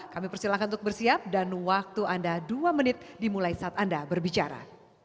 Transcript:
kami persilahkan untuk bersiap dan waktu anda dua menit dimulai saat anda berbicara